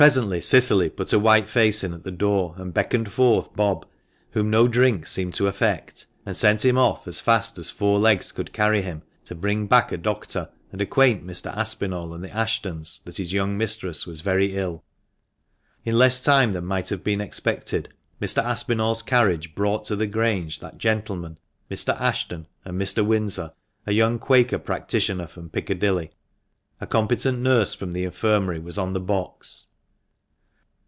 Presently Cicily put a white face in at the door, and beckoned forth Bob, whom no drink seemed to affect, and sent him off as fast as four legs could carry him, to bring back a doctor, and acquaint Mr. Aspinall and the Ashtons that his young mistress was very ill. In less time than might have been expected, Mr. Aspinall's carriage brought to the Grange that gentleman, Mrs. Ashton, and Mr. Windsor, a young Quaker practitioner from Piccadilly. A competent nurse from the Infirmary was on the box.